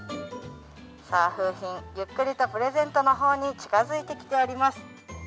さあ、楓浜、ゆっくりとプレゼントのほうへ近づいてきております。